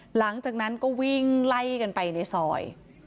หลังจากนั้นก็วิ่งไล่กันไปในซอย